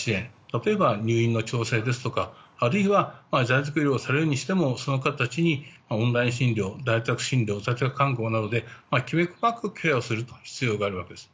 例えば、入院調整ですとかあるいは在宅療養をされるにしてもその方たちにオンライン診療などできめ細かくケアをする必要があります。